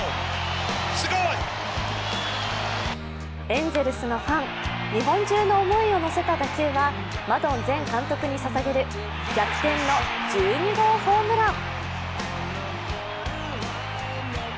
エンゼルスのファン、日本中の思いをのせた打球はマドン前監督にささげる逆転の１２号ホームラン。